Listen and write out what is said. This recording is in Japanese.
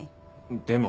でも。